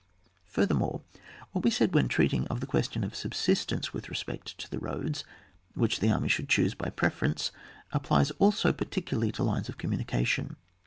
Furthermore, what we said when treat ing of the question of subsistence with respect to the roads which the army should chose by preference, applies also particularly to lines of communication.